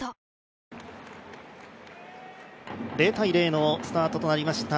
０−０のスタートとなりました